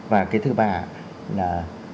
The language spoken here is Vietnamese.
và cái thứ ba là